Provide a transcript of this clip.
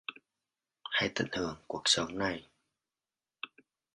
hãy tận hưởng cuộc sống này